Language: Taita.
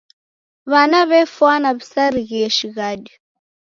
W'ana w'efwana w'isarighie shighadi.